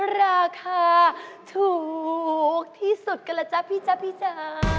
ราคาถูกที่สุดกันแล้วจ๊ะพี่จ๊ะ